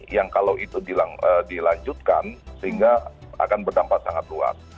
yang kalau itu dilanjutkan sehingga akan berdampak sangat luas